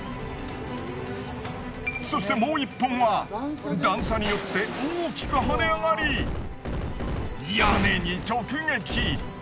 そしてもう１本は段差によって大きく跳ね上がり屋根に直撃！